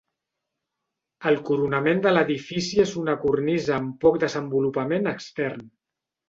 El coronament de l'edifici és una cornisa amb poc desenvolupament extern.